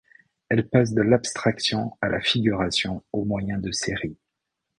Elle passe de l'abstraction à la figuration au moyen de séries.